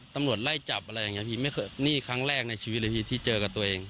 ตำรวจไล่จับอะไรอย่างนี้พี่ไม่เคยนี่ครั้งแรกในชีวิตเลยพี่ที่เจอกับตัวเอง